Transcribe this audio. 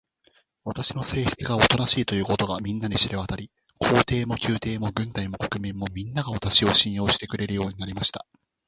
私の性質がおとなしいということが、みんなに知れわたり、皇帝も宮廷も軍隊も国民も、みんなが、私を信用してくれるようになりました。